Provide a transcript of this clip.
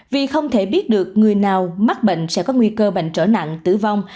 vì không thể biết được người nào mắc bệnh sẽ có nguy cơ bệnh trở nặng tử vong